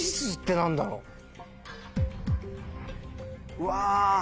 うわ！